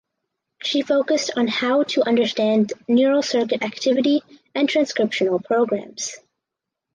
She focussed on how to understand neural circuit activity and transcriptional programs.